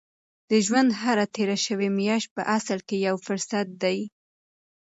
د ژوند هره تېره شوې میاشت په اصل کې یو فرصت دی.